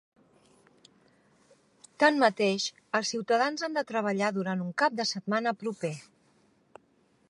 Tanmateix, els ciutadans han de treballar durant un cap de setmana proper.